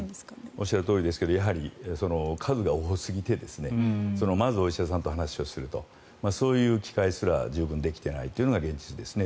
おっしゃるとおりですがやはり数が多すぎてまずお医者さんと話をするとそういう機会すら十分にできていないのが現実ですね。